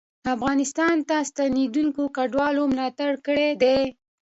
افغانستان ته ستنېدونکو کډوالو ملاتړ کړی دی